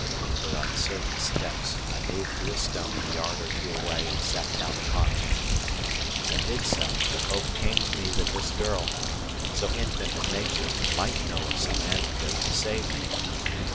With uncertain steps I moved to a stone a yard or two away and sat down upon it. As I did so the hope came to me that this girl, so intimate with nature, might know of some antidote to save me.